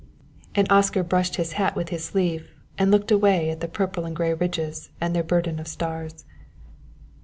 And Oscar brushed his hat with his sleeve and looked away at the purple and gray ridges and their burden of stars.